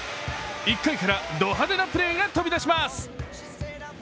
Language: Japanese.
１回からド派手なプレーが飛び出します。